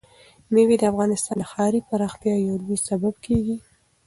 مېوې د افغانستان د ښاري پراختیا یو لوی سبب کېږي.